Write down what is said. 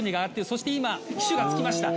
そして今機首が着きました」